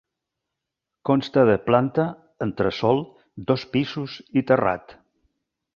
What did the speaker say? Consta de planta, entresòl, dos pisos i terrat.